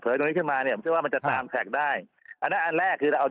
เผยตรงนี้ขึ้นมาเนี้ยมันจะว่ามันจะตามแท็กได้อันแรกคือ